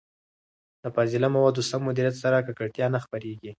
د فاضله موادو سم مديريت سره، ککړتيا نه خپرېږي.